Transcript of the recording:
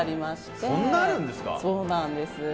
そうなんです。